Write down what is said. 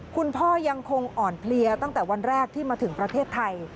คุณพ่อยังคงอ่อนเพลียตั้งแต่วันแรกที่มาถึงประเทศไทย